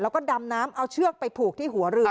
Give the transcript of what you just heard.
แล้วก็ดำน้ำเอาเชือกไปผูกที่หัวเรือ